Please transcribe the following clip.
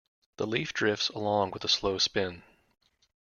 The leaf drifts along with a slow spin.